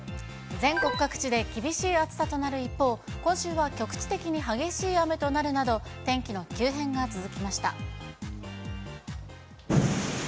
全国各地で厳しい暑さとなる一方、今週は局地的に激しい雨となるなど、天気の急変が続きました。